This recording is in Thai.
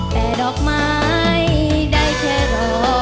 แต่ดอกไม้ได้แค่รอ